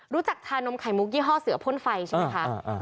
รู้จักชานมไข่มุกยี่ห้อเสือพ่นไฟใช่ไหมคะ